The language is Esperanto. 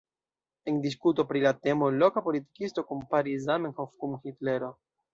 En diskuto pri la temo loka politikisto komparis Zamenhof kun Hitlero.